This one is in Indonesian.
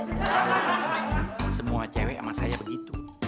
kalau semua cewek sama saya begitu